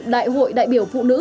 đại hội đại biểu phụ nữ